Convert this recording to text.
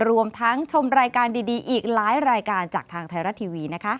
รวมทั้งชมรายการดีอีกหลายรายการจากทางไทยรัฐทีวี